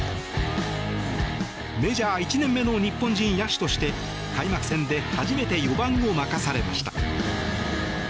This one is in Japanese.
メジャー１年目の日本人野手として開幕戦で初めて４番を任されました。